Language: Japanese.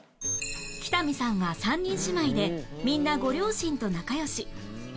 北見さんは３人姉妹でみんなご両親と仲良し